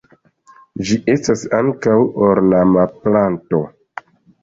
Ĝi estas ankaŭ ornama planto.